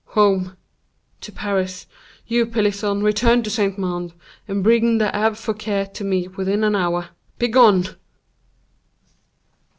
"Home—to Paris. You, Pelisson, return to Saint Mande, and bring the Abbe Fouquet to me within an hour. Begone!"